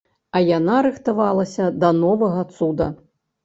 А яна рыхтавалася да новага цуда.